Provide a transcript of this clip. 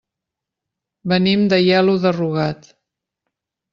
Venim d'Aielo de Rugat.